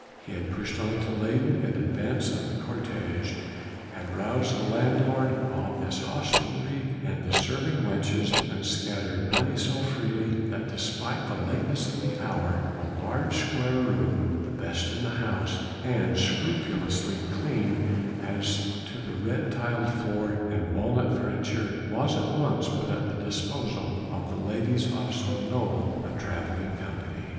He had pushed on to Leyden in advance of the cortège, had roused the landlord of this hostelry and the serving wenches, and scattered money so freely that despite the lateness of the hour a large square room the best in the house, and scrupulously clean as to the red tiled floor and walnut furniture was at once put at the disposal of the ladies of so noble a travelling company.